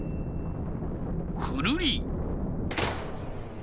くるり。